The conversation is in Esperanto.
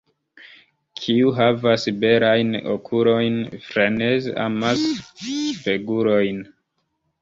Kiu havas belajn okulojn, freneze amas spegulojn.